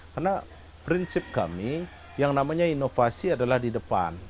karena prinsip kami yang namanya inovasi adalah di depan